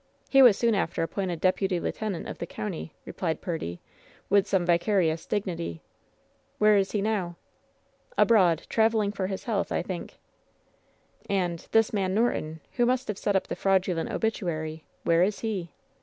He was soon after appointed deputy lieutenant of the county," replied Purdy, with some vicarious dignity. "Where is he now ?" "Abroad — ^traveling for his health, I think." "And — this man Norton, who must have set up the fraudulent obituary, where is he